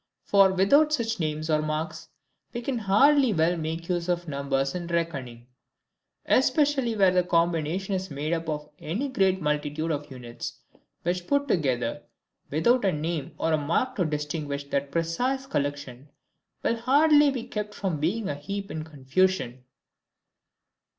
For, without such names or marks, we can hardly well make use of numbers in reckoning, especially where the combination is made up of any great multitude of units; which put together, without a name or mark to distinguish that precise collection, will hardly be kept from being a heap in confusion.